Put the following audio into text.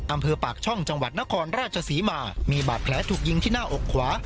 อำเภอปากช่องจังหวัดนครราชศรีมามีบาดแผลถูกยิงที่หน้าอกขวา